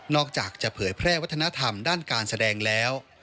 อกจากจะเผยแพร่วัฒนธรรมด้านการแสดงแล้ว